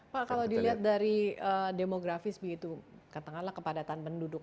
pak kalau dilihat dari demografis begitu katakanlah kepadatan penduduk